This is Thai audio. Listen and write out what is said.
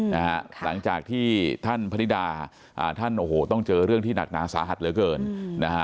หลังจากที่ท่านพนิดาต้องเจอเรื่องที่หนักหนาสาหัสเหลือเกิน